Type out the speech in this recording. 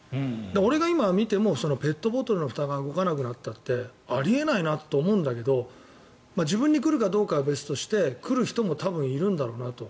俺が今、見てもペットボトルのふたが開かなくなったってあり得ないなって思うんだけど自分に来るかどうかは別として来る人も多分いるんだろうと。